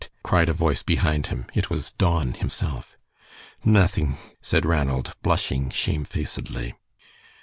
cried a voice behind him. It was Don himself. "Nothing," said Ranald, blushing shamefacedly.